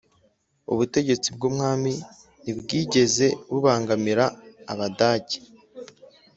ubutegetsi bw'umwami ntibwigeze bubangamira abadage,